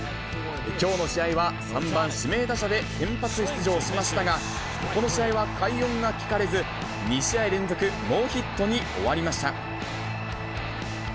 きょうの試合は３番指名打者で先発出場しましたが、この試合は快音が聞かれず、２試合連続ノーヒットに終わりました。